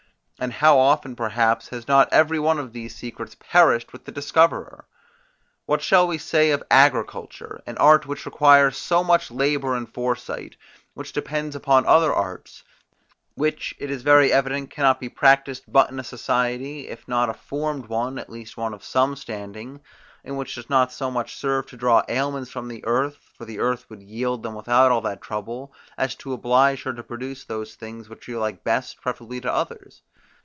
And how often perhaps has not every one of these secrets perished with the discoverer? What shall we say of agriculture, an art which requires so much labour and foresight; which depends upon other arts; which, it is very evident, cannot be practised but in a society, if not a formed one, at least one of some standing, and which does not so much serve to draw aliments from the earth, for the earth would yield them without all that trouble, as to oblige her to produce those things, which we like best, preferably to others?